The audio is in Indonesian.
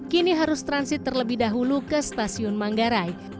kini harus transit terlebih dahulu ke stasiun manggarai